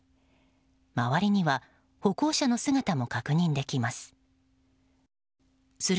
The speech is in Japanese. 周りには歩行者の姿も確認できます。